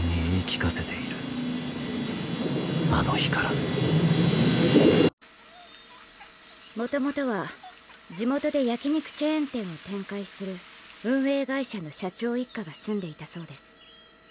知ったうえで私は術師としてもともとは地元で焼き肉チェーン店を展開する運営会社の社長一家が住んでいたそうです。